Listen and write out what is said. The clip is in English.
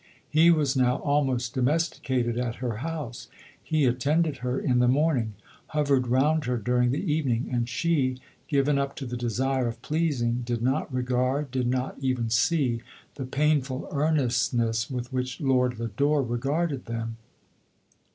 He was now almost LODORE. 141 domesticated at her house ; he attended her in the morning, hovered round her during the evening ; and she, given up to the desire of pleasing, did not regard, did not even see, the painful earnestness with which Lord Lodore regarded them.